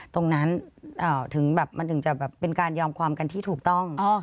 ตรงนั้นถึงแบบมันถึงจะแบบเป็นการยอมความกันที่ถูกต้อง